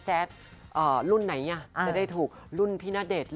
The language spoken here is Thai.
ใช่